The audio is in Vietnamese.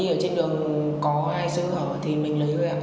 nếu trên đường có ai sơ hỏi thì mình lấy người em